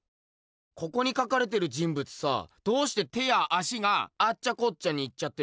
ここにかかれてる人物さどうして手や足がアッチャコッチャにいっちゃってるかわかるか？